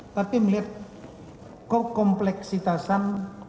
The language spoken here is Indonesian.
tapi melihat kok kompleksitasan